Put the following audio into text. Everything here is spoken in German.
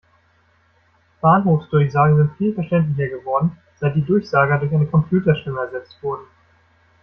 Bahnhofsdurchsagen sind viel verständlicher geworden, seit die Durchsager durch eine Computerstimme ersetzt wurden.